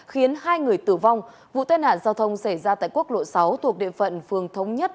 khiến hai người tử vong vụ tai nạn giao thông xảy ra tại quốc lộ sáu thuộc địa phận phường thống nhất